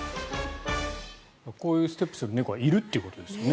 こういうステップする猫がいるってことですね。